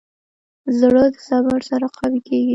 زړه د صبر سره قوي کېږي.